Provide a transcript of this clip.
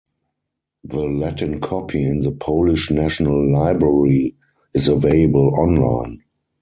The Latin copy in the Polish National Library is available online.